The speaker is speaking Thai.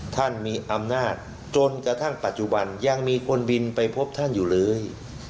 ท่านมีอำนาจจนกระทั่งปัจจุบันยังมีคนบินไปพบท่านอยู่เลย